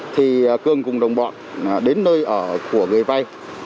thì cường cùng đồng bọn đến nơi ở của người vay